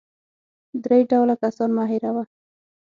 درې ډوله کسان مه هېروه .